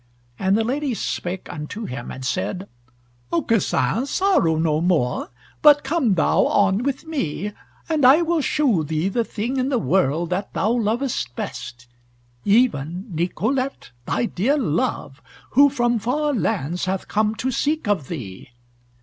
And the lady spake unto him and said: "Aucassin, sorrow no more, but come thou on with me, and I will shew thee the thing in the world that thou lovest best; even Nicolete thy dear love, who from far lands hath come to seek of thee."